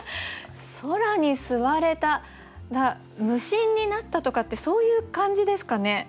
空に吸われた無心になったとかってそういう感じですかね？